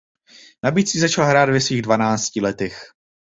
Na bicí začal hrát ve svých dvanácti letech.